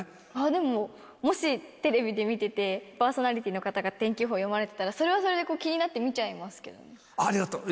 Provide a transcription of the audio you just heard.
でも、もしテレビで見てて、パーソナリティーの方が天気予報読まれてたら、それはそれで気にありがとう。